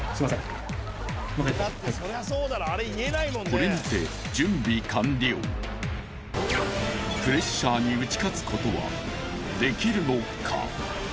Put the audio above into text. これにてプレッシャーに打ち勝つことはできるのか？